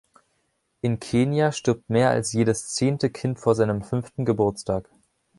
In Kenia stirbt mehr als jedes zehnte Kind vor seinem fünften Geburtstag.